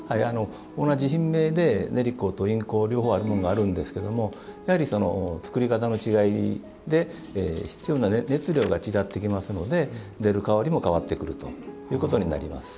同じ品名で煉香と印香あるものがあるんですけどもやはり、作り方の違いで必要な熱量が違ってきますので出る香りも変わってくるということになります。